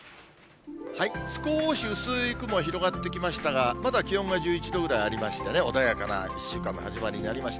少し薄い雲、広がってきましたが、まだ気温が１１度ぐらいありまして、穏やかな１週間の始まりになりました。